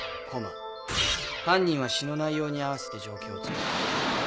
犯人は詩の内容に合わせて状況をつくった。